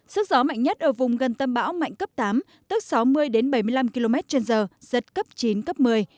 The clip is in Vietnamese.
sức gió mạnh nhất ở vùng gần tâm bão mạnh cấp tám tức sáu mươi đến bảy mươi năm km trên giờ giật cấp chín cấp một mươi